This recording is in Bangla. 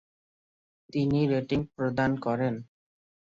তিনি রেটিং প্রদান করেন।